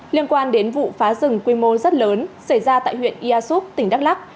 liên quan đến vụ phá rừng quy mô rất lớn xảy ra tại huyện ia súp tỉnh đắk lắc